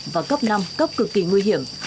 và cấp năm cấp cực kỳ nguy hiểm